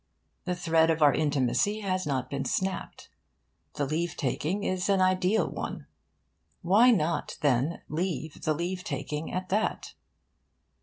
The thread of our intimacy has not been snapped. The leave taking is an ideal one. Why not, then, leave the leave taking at that?